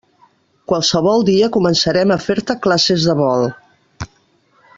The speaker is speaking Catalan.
Qualsevol dia començarem a fer-te classes de vol.